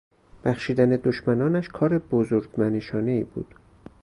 بخشیدن دشمنانش کار بزرگ منشانهای بود.